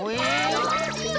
どうしよう！？